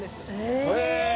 へえ！